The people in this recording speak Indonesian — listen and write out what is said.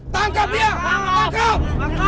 tangkap dia tangkap